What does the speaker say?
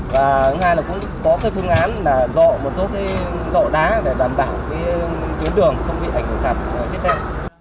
và thứ hai là cũng có cái phương án là dọ một số cái dọ đá để đảm bảo cái tuyến đường không bị ảnh hưởng sạt tiếp theo